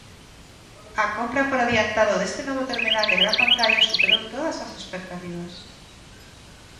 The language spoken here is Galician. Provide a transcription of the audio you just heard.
A compra por adiantado deste novo terminal de gran pantalla superou todas as expectativas.